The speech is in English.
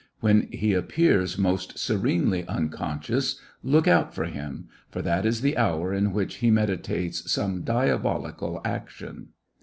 When he appears most serenely unconscious look out for him, for that is the hour in which he medi tates some diabolical action